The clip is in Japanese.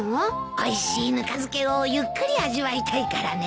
おいしいぬか漬けをゆっくり味わいたいからね。